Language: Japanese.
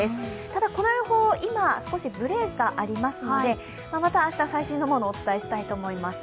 ただ、この予報、今、少しぶれがありますのでまた明日最新のものを、お伝えしたいと思います。